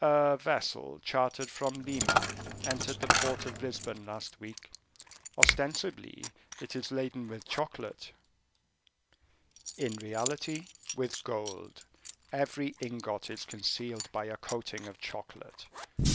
"A vessel chartered from Lima entered the port of Lisbon last week; ostensibly it is laden with chocolate, in reality with gold. Every ingot is concealed by a coating of chocolate.